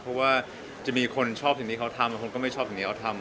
เพราะว่าจะมีคนชอบสิ่งที่เขาทำบางคนก็ไม่ชอบสิ่งที่เขาทำ